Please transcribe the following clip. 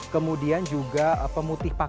kemudian kita butuhkan asam citrat atau citron acid